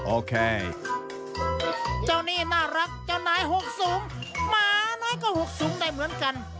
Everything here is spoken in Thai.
โอเคเจ้านี่น่ารักเจ้านายหกสูงหมาน้อยก็หกสูงได้เหมือนกัน